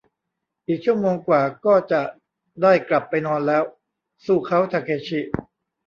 อีกชั่วโมงกว่าก็จะได้กลับไปนอนแล้ว สู้เค้าทาเคชิ